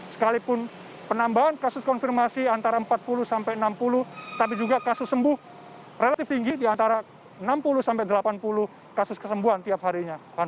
sekalipun penambahan kasus konfirmasi antara empat puluh sampai enam puluh tapi juga kasus sembuh relatif tinggi di antara enam puluh sampai delapan puluh kasus kesembuhan tiap harinya